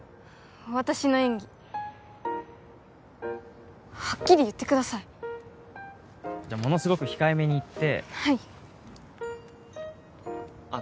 私の演技はっきり言ってくださいじゃあものすごく控えめに言ってはいあっ